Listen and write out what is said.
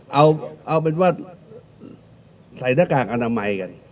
เอาเป็นว่าใส่นกากอาณาไม่กัน